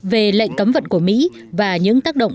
về lệnh cấm vận của mỹ và những tác động